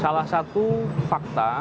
salah satu fakta